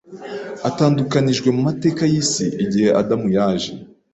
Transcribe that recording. atandukanijwe mu mateka y'isi igihe Adamu yaje